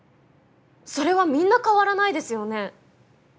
それは皆変わらないですよね？